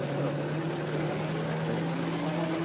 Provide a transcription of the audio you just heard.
これがですね。